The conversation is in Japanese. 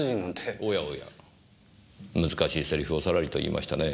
おやおや難しいセリフをさらりと言いましたねぇ。